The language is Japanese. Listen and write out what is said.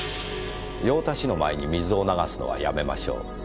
「用足しの前に水を流すのはやめましょう」